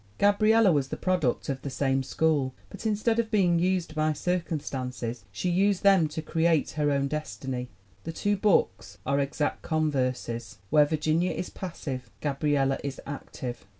"Gabriella was the product of the same school, but instead of being used by circumstances, she used them to create her own destiny. The two books are exact converses. Where Virginia is passive, Gabriella is active.